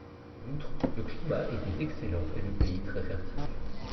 En outre, le climat était excellent et le pays très fertile.